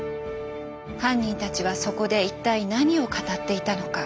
犯人たちはそこで一体何を語っていたのか。